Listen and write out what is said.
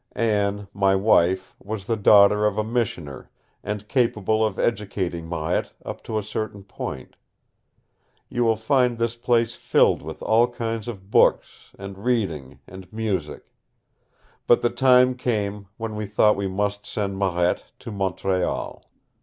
Anne, my wife, was the daughter of a missioner and capable of educating Marette up to a certain point. You will find this place filled with all kinds of books, and reading, and music. But the time came when we thought we must send Marette to Montreal.